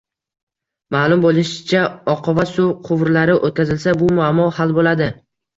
Maʼlum boʻlishicha, oqova suv quvurlari oʻtkazilsa, bu muammo hal boʻladi.